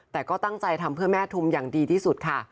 แต่ก็ตั้งใจทำเพื่อแม่ทุมอย่างดีที่สุดค่ะ